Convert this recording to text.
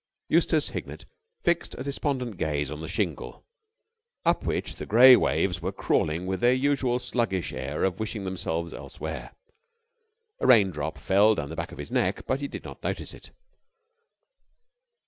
Eustace Hignett fixed a despondent gaze on the shingle, up which the gray waves were crawling with their usual sluggish air of wishing themselves elsewhere. A rain drop fell down the back of his neck, but he did not notice it.